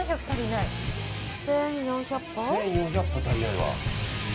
１４００歩？